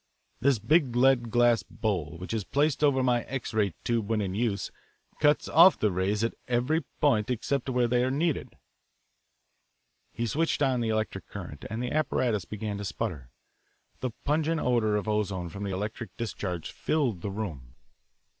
This big lead glass bowl, which is placed over my X ray tube when in use, cuts off the rays at every point except exactly where they are needed." He switched on the electric current, and the apparatus began to sputter. The pungent odour of ozone from the electric discharge filled the room.